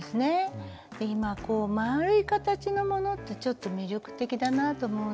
今丸い形のものってちょっと魅力的だなって思うんですよね。